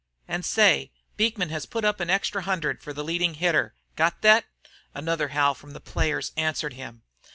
"An' say, Beekman has put up an extra hundred for the leadin' hitter. Got thet?" Another howl from the players answered him.